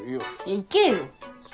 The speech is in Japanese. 行けよ！